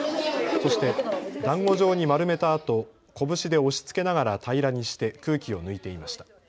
そして、だんご状に丸めたあと拳で押しつけながら平らにして空気を抜いていました。